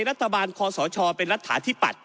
รัฐบาลคอสชเป็นรัฐถาที่ปัด